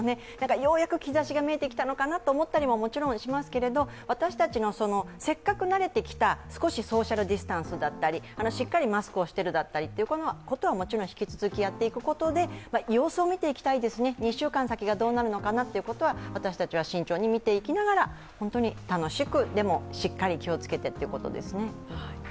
ようやく兆しが見えてきたのかなと思ったりももちろんしますけど、私たちの、せっかく慣れてきたソーシャルディスタンスだったり、しっかりマスクをしてるだったり、このことは引き続きやっていくことで様子を見ていきたいですね、２週間先がどうなるのかなということは私たちは慎重に見ていきながら、楽しく、でもしっかり気をつけてということですね。